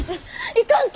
行かんと！